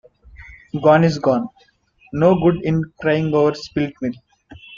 Gone is gone. No good in crying over spilt milk.